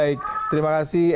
baik terima kasih